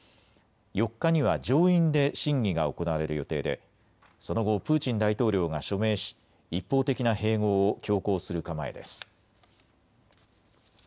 ４日には上院で審議が行われる予定でその後、プーチン大統領が署名し一方的な併合を強行する構えです。